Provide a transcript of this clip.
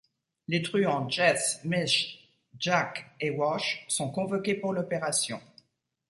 Les truands Jess, Mish, Jack et Wash sont convoqués pour l'opération.